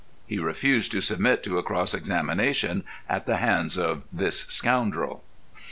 He refused to submit to a cross examination at the hands of this scoundrel.